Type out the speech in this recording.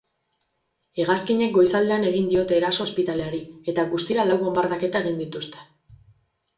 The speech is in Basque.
Hegazkinek goizaldean egin diote eraso ospitaleari, eta guztira lau bonbardaketa egin dituzte.